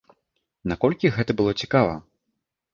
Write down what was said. Наколькі гэта было цікава?